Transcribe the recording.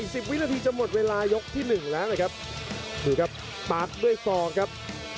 สิบวินาทีจะหมดเวลายกที่หนึ่งแล้วนะครับดูครับตัดด้วยฟองครับ